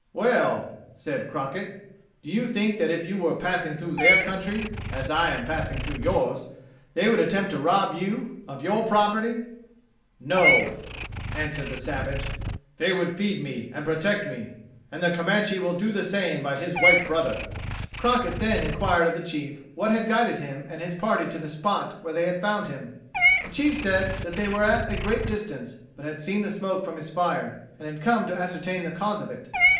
"Well," said Crockett, "do you think that if you were passing through their country, as I am passing through yours, they would attempt to rob you of your property?" "No," answered the savage; "they would feed me and protect me. And the Comanche will do the same by his white brother." Crockett then inquired of the chief what had guided him and his party to the spot where they had found him? The chief said that they were at a great distance, but had seen the smoke from his fire, and had come to ascertain the cause of it.